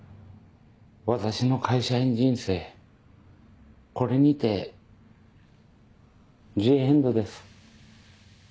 私の会社員人生これにてジ・エンドです。